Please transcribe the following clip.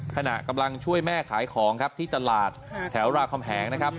ขณะกำลังช่วยแม่ขายของครับที่ตลาดแถวรามคำแหงนะครับ